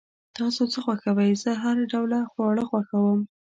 تاسو څه خوښوئ؟ زه هر ډوله خواړه خوښوم